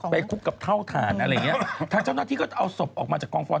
คุกกับเท่าฐานอะไรอย่างเงี้ยทางเจ้าหน้าที่ก็เอาศพออกมาจากกองฟอย